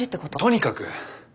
とにかく！